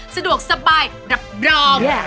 สะดวกสบายรับรอง